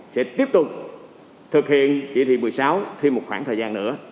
sẽ tiếp tục thực hiện chỉ thị một mươi sáu thêm một khoảng thời gian nữa